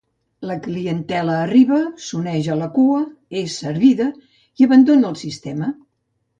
La clientela arriba, s'uneix a la cua, és servida i abandona el sistema.